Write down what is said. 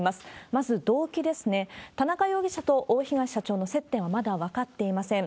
まず動機ですね、田中容疑者と大東社長の接点はまだ分かっていません。